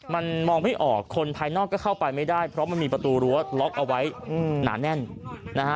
มันมองไม่ออกคนภายนอกก็เข้าไปไม่ได้เพราะมันมีประตูรั้วล็อกเอาไว้หนาแน่นนะฮะ